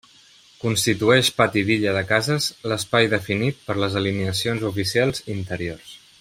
Constitueix pati d'illa de cases l'espai definit per les alineacions oficials interiors.